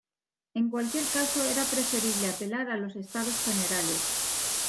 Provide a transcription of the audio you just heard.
En cualquier caso, era preferible apelar a los Estados Generales.